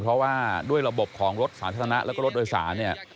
เพราะว่าด้วยระบบของรถสาธารณะแล้วก็รถโดยสารเนี่ย